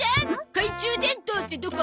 懐中電灯ってどこ？